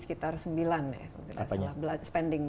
sekitar sembilan ya spending